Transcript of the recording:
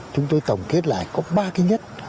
chúng tôi tổng kết lại có ba cái nhất